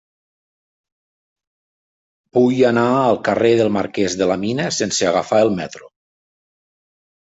Vull anar al carrer del Marquès de la Mina sense agafar el metro.